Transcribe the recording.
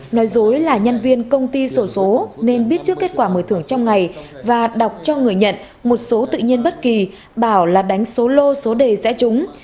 nói dối là nhân viên công ty sổ số nên biết trước kết quả mở thưởng trong ngày và đọc cho người nhận một số tự nhiên bất kỳ bảo là đánh số lô số đề rẽ chúng